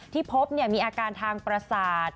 ที่พบมีอาการทางประสาท